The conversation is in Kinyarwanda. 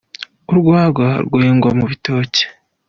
Urwagwa rwengwa mu bitoki.